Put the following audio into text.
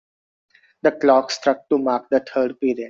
The clock struck to mark the third period.